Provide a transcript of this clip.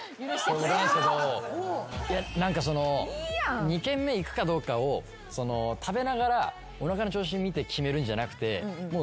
俺なんすけど２軒目行くかどうかを食べながらおなかの調子見て決めるんじゃなくて。